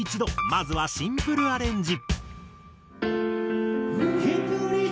まずはシンプルアレンジ。